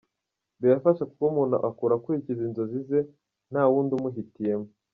Birafasha kuko umuntu akura akurikira inzozi ze nta wundi umuhitiyemo.